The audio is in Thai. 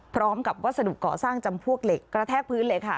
พร้อมกับวัสดุก่อสร้างจำพวกเหล็กคะแทกพื้นเลยค่ะ